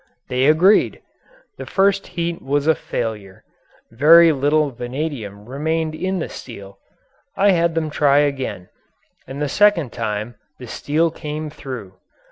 They agreed. The first heat was a failure. Very little vanadium remained in the steel. I had them try again, and the second time the steel came through.